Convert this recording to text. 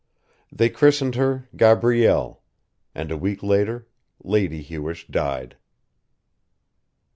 They christened her Gabrielle, and a week later Lady Hewish died.